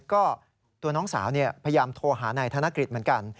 ก็ตัวน้องสาวพยายามโทรหานายธนกฤษเหมือนกัน